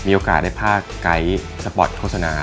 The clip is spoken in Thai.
มีโอกาสได้พากไกด์สปอร์ตโฆษณา